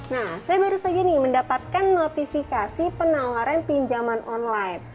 nah saya baru saja nih mendapatkan notifikasi penawaran pinjaman online